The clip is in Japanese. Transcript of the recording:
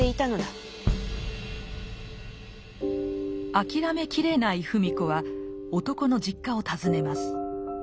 諦めきれない芙美子は男の実家を訪ねます。